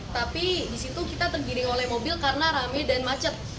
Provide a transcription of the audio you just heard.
tapi di situ kita tergiring oleh mobil karena rame dan macet